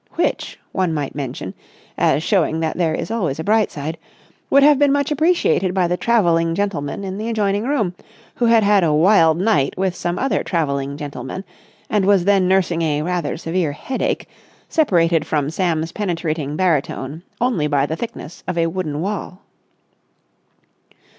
Which, one might mention, as showing that there is always a bright side, would have been much appreciated by the travelling gentleman in the adjoining room, who had had a wild night with some other travelling gentlemen, and was then nursing a rather severe headache, separated from Sam's penetrating baritone only by the thickness of a wooden wall.